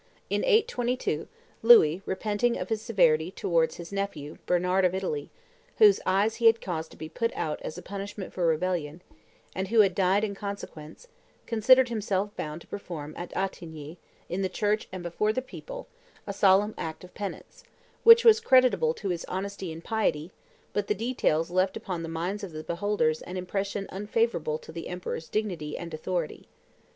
In 822, Louis, repenting of his severity towards his nephew, Bernard of Italy, whose eyes he had caused to be put out as a punishment for rebellion, and who had died in consequence, considered himself bound to perform at Attigny, in the church and before the people, a solemn act of penance; which was creditable to his honesty and piety, but the details left upon the minds of the beholders an impression unfavorable to the emperor's dignity and authority.